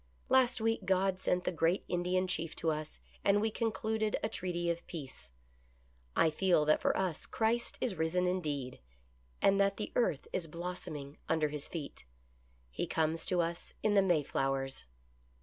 Last week God sent the great Indian Chief to us, and we concluded a treaty of peace. I feel that for us Christ is risen indeed, and that the earth is blossoming under his feet. He comes to us in the May flowers."